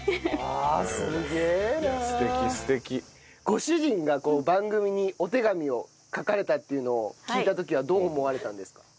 ご主人が番組にお手紙を書かれたっていうのを聞いた時はどう思われたんですか？